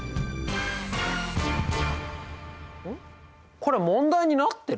これ問題になってる？